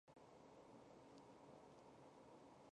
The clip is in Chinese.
足底筋膜炎的成因尚未完全明朗。